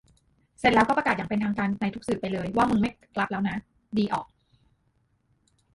เสร็จแล้วก็ประกาศอย่างเป็นทางการในทุกสื่อไปเลย ว่ามึงไม่ลับแล้วนะ ดีออก